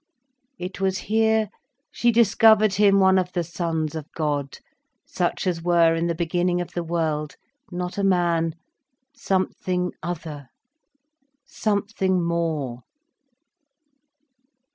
It was here she discovered him one of the sons of God such as were in the beginning of the world, not a man, something other, something more.